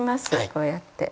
こうやって。